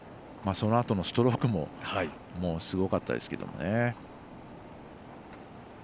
そのあとのストロークもすごかったですけれどもね。